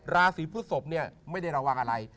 ราศีพฤศพเนี่ยไม่ได้ระวังอะไร